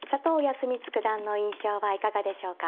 康光九段の印象はいかがでしょうか。